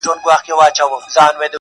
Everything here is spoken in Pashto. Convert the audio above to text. او هر وخت داسي انسانان واوسو